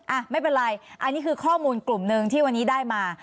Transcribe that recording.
อ่ะไม่เป็นไรอันนี้คือข้อมูลกลุ่มหนึ่งที่วันนี้ได้มา